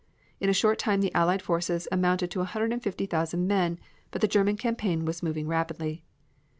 In a short time the Allied forces amounted to a hundred and fifty thousand men, but the German campaign was moving rapidly.